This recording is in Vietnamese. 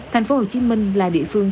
thành phố hồ chí minh là địa phương